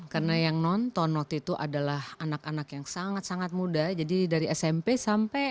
karena yang non taunot itu adalah anak anak muda yang menonton itu dan yang lainnya juga menonton jadi kami mencari puisi ini juga dengan musikalisasi puisi ini